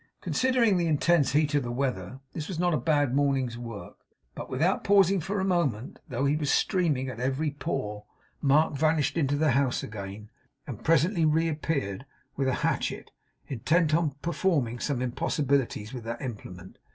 Considering the intense heat of the weather, this was not a bad morning's work; but without pausing for a moment, though he was streaming at every pore, Mark vanished into the house again, and presently reappeared with a hatchet; intent on performing some impossibilities with that implement.